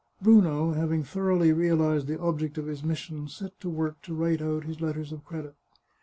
Bruno, having thoroughly realized the object of his mission, set to work to write out his letters of credit.